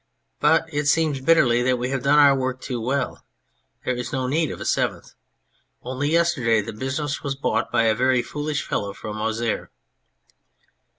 But it seems " bitterly "that we have done our work too well. There is no need of a seventh. Only yesterday the business was bought by a very foolish fellow from Auxerre."